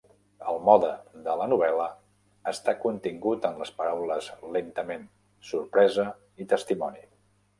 El mode de la novel·la està contingut en les paraules lentament, sorpresa i testimoni.